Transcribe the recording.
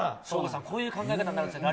こういう考え方になるんですね